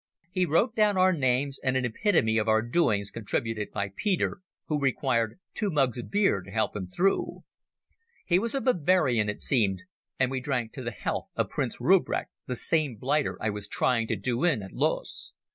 He wrote down our names and an epitome of our doings contributed by Peter, who required two mugs of beer to help him through. He was a Bavarian, it seemed, and we drank to the health of Prince Rupprecht, the same blighter I was trying to do in at Loos.